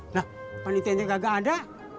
nah panitianya kagak ada